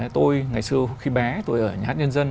tôi ngày xưa khi bé tôi ở nhà hát nhân dân